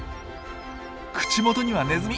口元にはネズミ！